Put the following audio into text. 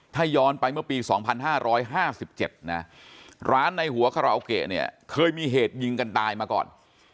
ถ้าย้อนไปเมื่อปี๒๕๕๗นะร้านในหัวคาราโอเกะเนี่ยเคยมีเหตุยิงกันตายมาก่อน